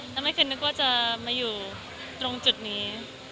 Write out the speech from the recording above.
แล้วไม่เคยนึกว่าจะมาอยู่ตรงจุดนี้